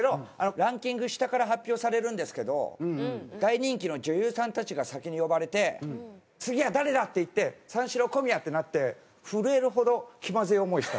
ランキング下から発表されるんですけど大人気の女優さんたちが先に呼ばれて次は誰だ？っていって「三四郎小宮」ってなって震えるほど気まずい思いした。